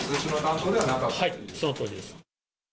はい、そのとおりです。